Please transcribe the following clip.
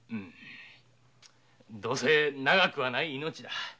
どうせ長くはない命だ。